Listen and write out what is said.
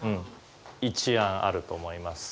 一案あると思います。